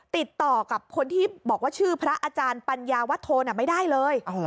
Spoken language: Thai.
ติดต่อกับคนที่บอกว่าชื่อพระอาจารย์ปัญญาวัตโธไม่ได้เลย